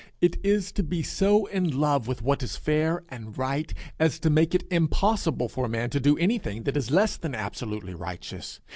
It is to be so in love with what is fair and right as to make it impossible for a man to do anything that is less than absolutely righteous.